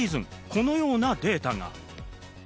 このようなデータが。